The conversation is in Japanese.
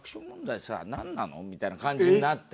みたいな感じになって。